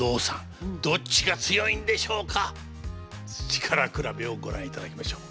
力比べをご覧いただきましょう。